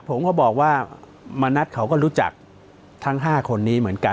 ผมก็บอกว่ามณัฐเขาก็รู้จักทั้ง๕คนนี้เหมือนกัน